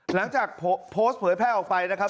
หลังจากโพสต์เผยแพร่ออกไปนะครับ